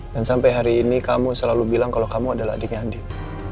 dan sampai hari ini kamu selalu bilang kalau kamu adalah adiknya andin